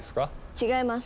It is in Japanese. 違います。